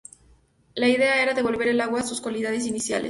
La idea era devolverle al agua sus "cualidades iniciales".